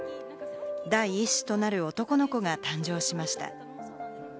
第１子となる男の子が誕生しました。